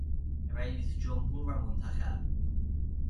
رییس جمهور منتخب